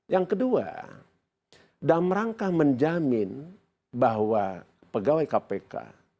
yang kedua dalam rangka menjamin bahwa pegawai kpk